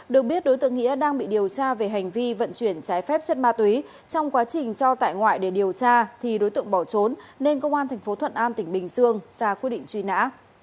được biết đối tượng nghĩa đang bị điều tra về hành vi vận chuyển trái phép chất ma túy trong quá trình cho tại ngoại để điều tra thì đối tượng bỏ trốn nên công an tp thuận an tỉnh bình dương ra quyết định truy nã